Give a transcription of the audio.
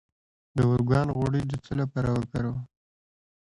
د ارګان غوړي د څه لپاره وکاروم؟